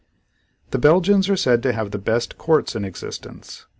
The Belgians are said to have the best courts in existence.